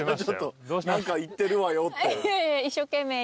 「何か言ってるわよ」って？